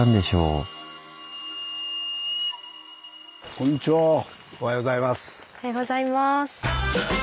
おはようございます。